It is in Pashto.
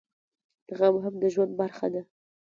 غم هم د ژوند برخه ده